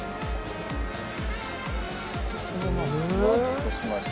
ふわっとしましたね。